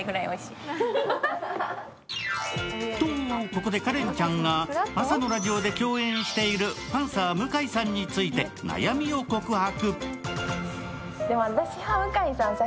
ここでカレンちゃんが朝のラジオで共演しているパンサー向井さんについて悩みを告白。